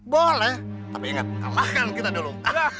boleh tapi ingat kalahkan kita dulu